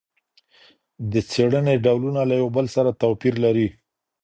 د څېړني ډولونه له یو بل سره توپیر لري.